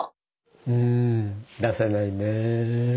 ⁉うん出せないね。